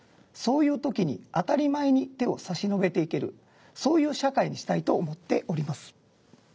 そういう時に当たり前に手を差し伸べていけるそういう社会にしたいと思っております。